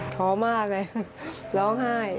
ท้อมากเลยร้องไห้